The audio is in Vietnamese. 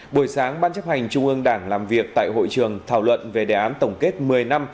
buổi sáng ban chấp hành trung ương đảng làm việc tại hội trường thảo luận về đề án tổng kết một mươi năm